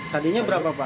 tadinya berapa pak